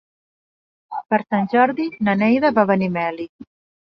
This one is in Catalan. Per Sant Jordi na Neida va a Benimeli.